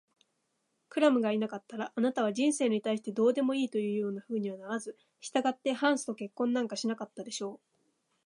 クラムがいなかったら、あなたは人生に対してどうでもいいというようなふうにはならず、したがってハンスと結婚なんかしなかったでしょう。